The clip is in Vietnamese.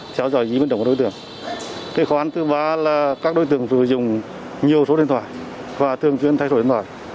khó khăn thứ ba là các đối tượng sử dụng nhiều số điện thoại và thường chuyên thay đổi điện thoại